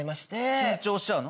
緊張しちゃうの？